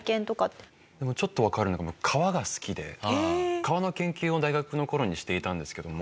ちょっとわかるのが川が好きで川の研究を大学の頃にしていたんですけども。